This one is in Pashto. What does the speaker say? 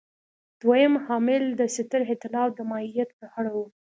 دویم عامل د ستر اېتلاف د ماهیت په اړه و.